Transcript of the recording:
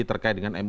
terkait dengan mpp